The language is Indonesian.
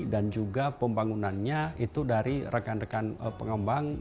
dan juga pembangunannya itu dari rekan rekan pengembang